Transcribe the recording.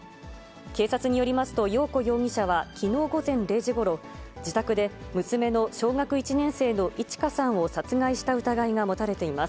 警察によりますと、陽子容疑者はきのう午前０時ごろ、自宅で娘の小学１年生のいち花さんを殺害した疑いが持たれています。